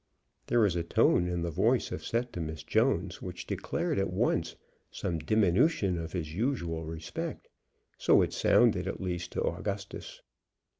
There was a tone in the voice of Septimus Jones which declared at once some diminution of his usual respect. So it sounded, at least, to Augustus.